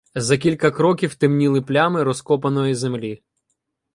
За кілька кроків темніли плями розкопаної землі.